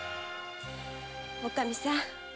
おかみさん。